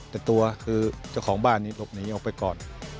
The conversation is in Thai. แต่ตัวคือเจ้าของบ้านนี้หลบหนีออกไปก่อน